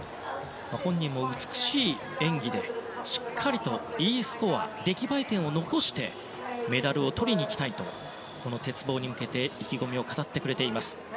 本人も美しい演技でしっかりとＥスコア、出来栄え点を残してメダルをとりにいきたいと鉄棒に向けて意気込みを語ってくれています。